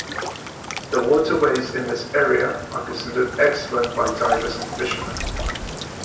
The waterways in this area are considered excellent by divers and fishermen.